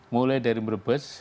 mulai dari mrebes